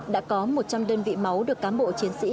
đã có một trăm linh đơn vị máu được cán bộ chiến sĩ